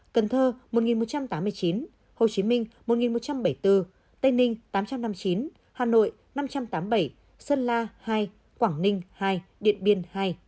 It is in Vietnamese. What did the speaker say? cần thơ một một trăm tám mươi chín hồ chí minh một một trăm bảy mươi bốn tây ninh tám trăm năm mươi chín hà nội năm trăm tám mươi bảy sơn la hai quảng ninh hai điện biên hai